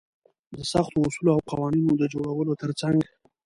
د سختو اصولو او قوانينونو د جوړولو تر څنګ.